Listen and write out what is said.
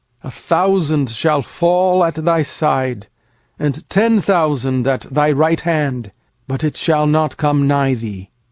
7A thousand may fall at thy side, And ten thousand at thy right hand; It shall not come nigh thee.